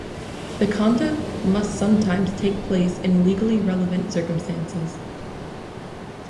The conduct must sometimes take place in legally relevant circumstances.